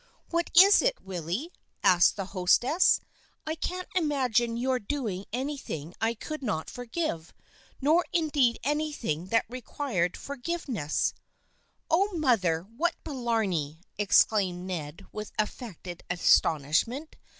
"What is it, Willy?" asked his hostess. "I can't imagine your doing anything I could not forgive, nor indeed anything that required for giveness." 198 THE FRIENDSHIP OF ANNE 199 " Oh, mother ! What blarney !" exclaimed Ned, with affected astonishment.